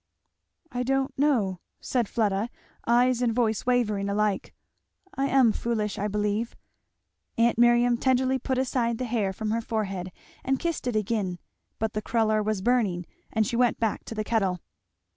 "I don't know, " said Fleda, eyes and voice wavering alike, "I am foolish, I believe, " Aunt Miriam tenderly put aside the hair from her forehead and kissed it again, but the cruller was burning and she went back to the kettle.